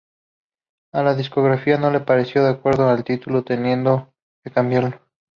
A la discográfica no le pareció adecuado el título, teniendo que cambiarlo.